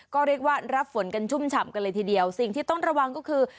ก็เรียกว่ารับฝนกันชุ่มฉ่ำกันเลยทีเดียวสิ่งที่ต้องระวังก็คือ